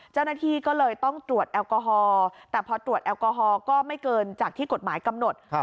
เจ้าหน้าที่ก็เลยต้องตรวจแอลกอฮอล์แต่พอตรวจแอลกอฮอลก็ไม่เกินจากที่กฎหมายกำหนด